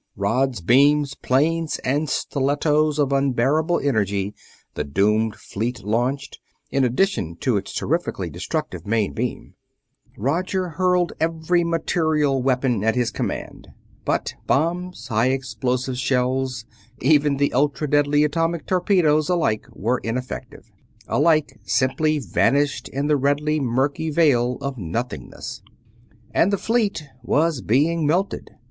Rods, beams, planes, and stilettos of unbearable energy the doomed fleet launched, in addition to its terrifically destructive main beam: Roger hurled every material weapon at his command. But bombs, high explosive shells, even the ultra deadly atomic torpedoes, alike were ineffective; alike simply vanished in the redly murky veil of nothingness. And the fleet was being melted.